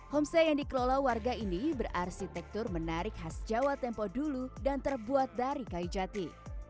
homestay yang dikelola warga ini berarsitektur menarik khas jawa tempo dulu dan terbuat dari kayu jati